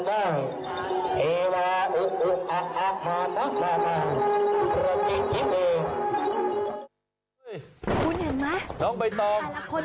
คุณเห็นไหมฮะฮ่าละคันน้องใบตรง